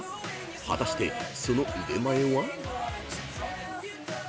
［果たしてその腕前は？］